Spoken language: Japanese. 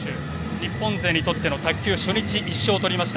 日本勢にとっての卓球初日１勝を取りました。